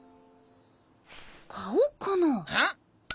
顔かなァ。